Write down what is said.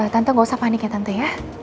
tante gak usah panik ya tante ya